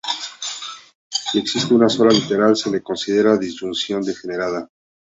Si existe una sola literal se le considera disyunción degenerada.